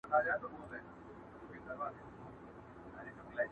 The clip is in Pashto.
o عالم پر څه دئ، مير عالم پر څه دئ!